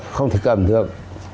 không thể cầm được